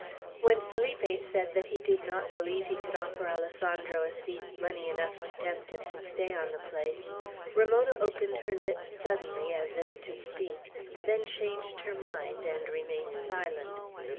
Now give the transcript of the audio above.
When Felipe said that he did not believe he could offer Alessandro Assis money enough to tempt him to stay on the place, Ramona opened her lips suddenly, as if to speak, then changed her mind, and remained silent.